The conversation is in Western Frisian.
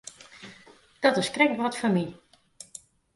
Dat is krekt wat foar my.